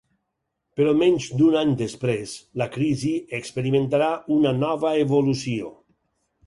Però menys d'un any després, la crisi experimentarà una nova evolució.